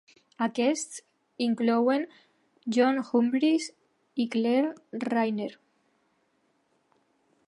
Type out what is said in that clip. Aquests inclouen John Humphrys i Claire Rayner.